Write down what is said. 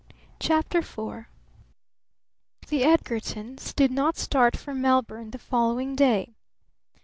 CHAPTER IV The Edgartons did not start for Melbourne the following day!